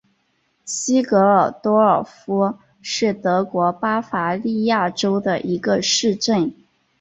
西格斯多尔夫是德国巴伐利亚州的一个市镇。